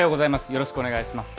よろしくお願いします。